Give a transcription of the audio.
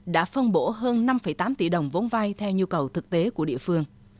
đã phân bổ hơn năm tám tỷ đồng vốn vai theo nhu cầu thực tế của địa phương